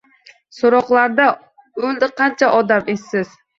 So’roqlarda o’ldi qancha odam, esiz